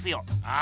あ？